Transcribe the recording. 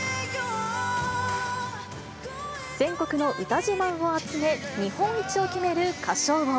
全国の歌自慢を集め、日本一を決める歌唱王。